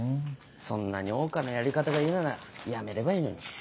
そんなに桜花のやり方が嫌ならやめればいいのに。